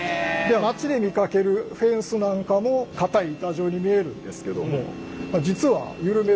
街で見かけるフェンスなんかも硬い板状に見えるんですけども実は緩めると軟らかい。